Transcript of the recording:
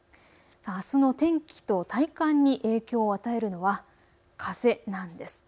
あすの天気と体感に影響を与えるのは風なんです。